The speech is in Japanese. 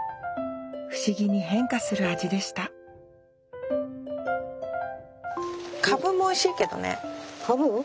不思議に変化する味でしたカブもおいしいけどね。